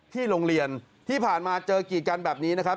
ที่โรงเรียนที่ผ่านมาเจอกีดกันแบบนี้นะครับ